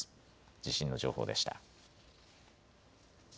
地震の情報でした。